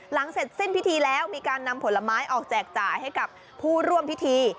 เสร็จสิ้นพิธีแล้วมีการนำผลไม้ออกแจกจ่ายให้กับผู้ร่วมพิธี